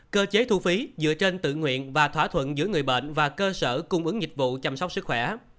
cơ chế thu phí dựa trên tự nguyện và thỏa thuận giữa người bệnh và cơ sở cung ứng dịch vụ chăm sóc sức khỏe